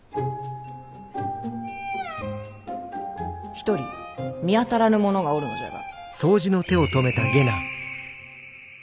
１人見当たらぬ者がおるのじゃが。